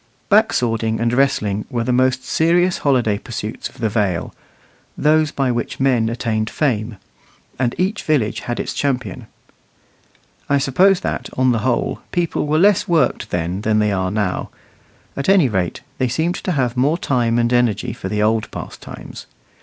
Back swording and wrestling were the most serious holiday pursuits of the Vale those by which men attained fame and each village had its champion. I suppose that, on the whole, people were less worked then than they are now; at any rate, they seemed to have more time and energy for the old pastimes.